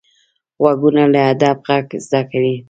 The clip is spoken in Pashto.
غوږونه له ادب غږ زده کوي